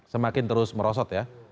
semakin terus merosot ya